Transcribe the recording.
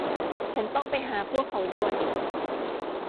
ฉันต้องไปหาพวกเขาด่วน